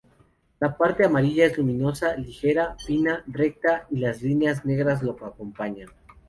La parte amarilla es luminosa, ligera, fina, recta y las líneas negras lo acompañan.